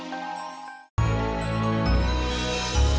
sampai jumpa lagi